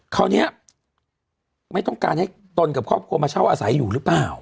คราวนี้ไม่ต้องการให้ตนกับครอบครัวมาเช่าอาศัยอยู่หรือเปล่า